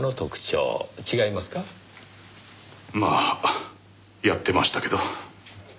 まあやってましたけど。